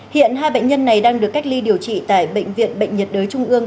hiện hai bệnh nhân này đang được cách ly điều trị tại bệnh viện bệnh nhiệt đới trung ương